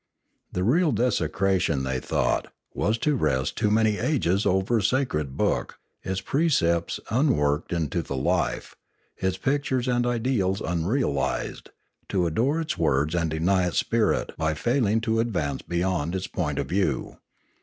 The real desecration, they thought, was to rest too many ages over a sacred book, its precepts unworked into the life, its pictures and ideals unrealised; to adore its words and deny its spirit by failing to advance beyond its point of view.